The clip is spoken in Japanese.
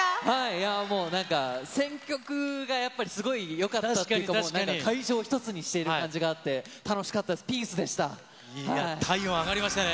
いやもう、なんか、選曲がやっぱり、すごいよかったっていうか、会場を一つにしている感じがあって、楽しかったです、ピースでし体温上がりましたね。